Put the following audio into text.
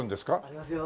ありますよ。